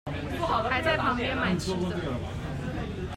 還在旁邊買吃的